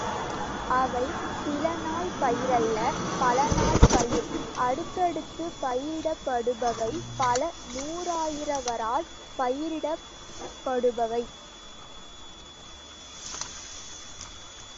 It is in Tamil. அவை சில நாள் பயிரல்ல பல நாள் பயிர் அடுத்தடுத்துப் பயிரிடப்படுபவை பல நூறாயிரவரால் பயிரிடப்படுபவை.